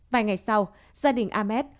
vài ngày sau gia đình ahmed